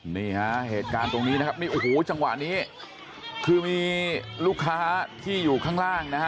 นี่ฮะเหตุการณ์ตรงนี้นะครับนี่โอ้โหจังหวะนี้คือมีลูกค้าที่อยู่ข้างล่างนะฮะ